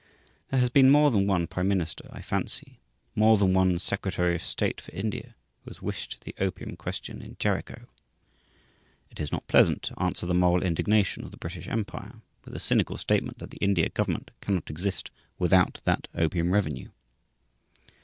There has been more than one prime minister, I fancy, more than one secretary of state for India, who has wished the opium question in Jericho. It is not pleasant to answer the moral indignation of the British empire with the cynical statement that the India government cannot exist without that opium revenue.